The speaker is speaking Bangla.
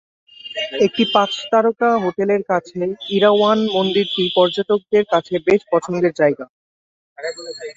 একটি পাঁচ তারকা হোটেলের কাছে ইরাওয়ান মন্দিরটি পর্যটকদের কাছে বেশ পছন্দের জায়গা।